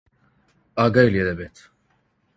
ئاگای لێ دەبێت.